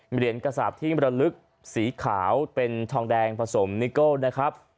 เหรียญกระสาปที่มรลึกสีขาวเป็นทองแดงผสมนิโก้นะครับ